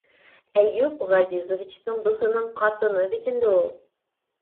Әйүп Ғәзизовичтың дуҫының ҡатыны бит инде ул...